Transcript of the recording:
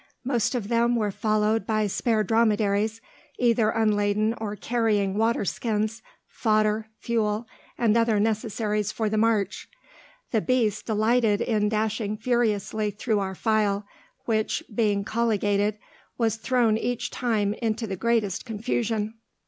Most of them were followed by spare dromedaries, either unladen or carrying water skins, fodder, fuel, and other necessaries for the march. The beasts delighted in dashing furiously through our file, which, being colligated, was thrown each time into the greatest confusion.